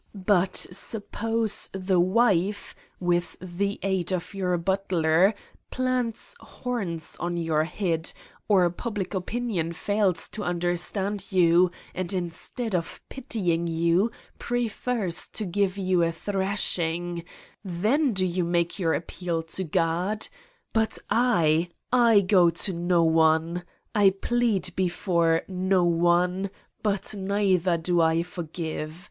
But suppose the wife, with the aid of your butler, plants horns on your head or public opinion fails to understand you and instead of pitying you pre fers to give you a thrashing then do you make, your appeal to God? But I, I go to no one. I plead before no one, but neither do I forgive.